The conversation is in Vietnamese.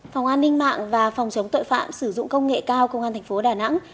phòng an ninh mạng và phòng chống tội phạm sử dụng công nghệ cao công an tp đà nẵng